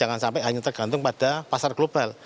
jangan sampai hanya tergantung pada pasar global